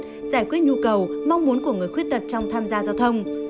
giải quyết nhu cầu mong muốn của người khuyết tật trong tham gia giao thông